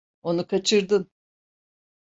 Onu kaçırdın.